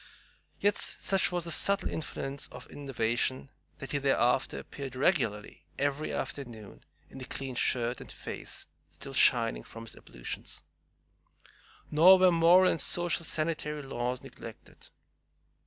Yet such was the subtle influence of innovation that he thereafter appeared regularly every afternoon in a clean shirt and face still shining from his ablutions. Nor were moral and social sanitary laws neglected.